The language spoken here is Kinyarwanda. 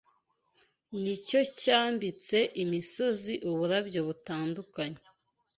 ni cyo cyambitse imisozi uburabyo butandukanye